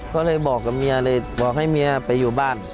ก็เลยบอกกับเมียเลยบอกให้เมียไปอยู่บ้าน